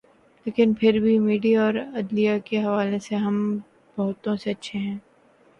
لیکن پھر بھی میڈیا اور عدلیہ کے حوالے سے ہم بہتوں سے اچھے ہیں۔